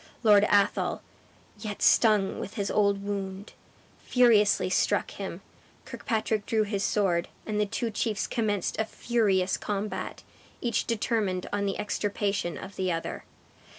Lord Athol, yet stung with his old wound, furiously struck him; Kirkpatrick drew his sword, and the two chiefs commenced a furious combat, each determined on the extirpation of the other.